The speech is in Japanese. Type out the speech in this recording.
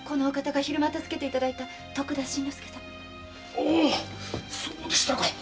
おおそうでしたか。